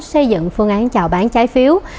xây dựng phương án chào bán trái phiếu